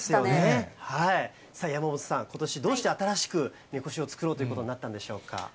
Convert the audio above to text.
山本さん、ことし、どうして新しく神輿を作ろうということになったんでしょうか。